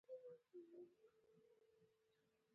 په پټي کښې د شلتالانو باغ کوم، ډکي مې راوړي دي